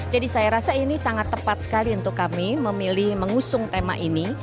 saya rasa ini sangat tepat sekali untuk kami memilih mengusung tema ini